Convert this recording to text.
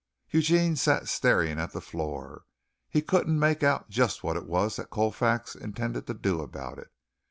Eugene sat staring at the floor. He couldn't make out just what it was that Colfax intended to do about it.